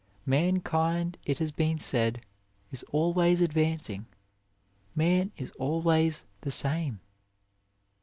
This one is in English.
Man kind, it has been said, is always advancing, man is always the same.